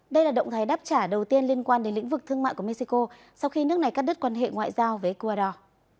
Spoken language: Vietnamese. đây là động thái đáp trả đầu tiên liên quan đến lĩnh vực thương mại của mexico sau khi nước này cắt đứt quan hệ ngoại giao với ecuador